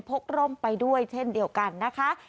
กร่มไปด้วยเช่นเดียวกันนะคะ